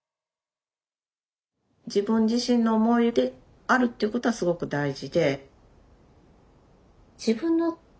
自分自身の思いであるということはすごく大事で。